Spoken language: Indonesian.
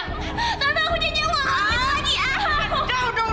tante aku janjian wang aku mau lagi